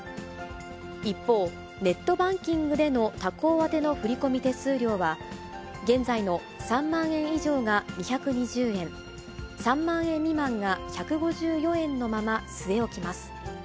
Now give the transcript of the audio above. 一方、ネットバンキングでの他行宛ての振り込み手数料は、現在の３万円以上が２２０円、３万円未満が１５４円のまま据え置きます。